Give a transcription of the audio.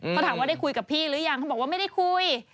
เขาถามว่าได้คุยกับพี่หรือยังเขาบอกว่าไม่ได้คุย